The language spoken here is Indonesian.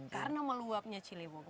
karena meluapnya ciliwung